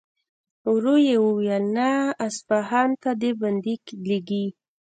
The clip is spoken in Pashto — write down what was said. ورو يې وويل: نه! اصفهان ته دې بندې لېږي.